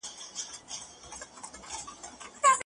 نېکي هېڅکله نه ورکيږي.